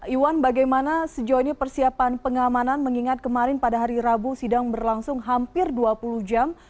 iwan bagaimana sejauh ini persiapan pengamanan mengingat kemarin pada hari rabu sidang berlangsung hampir dua puluh jam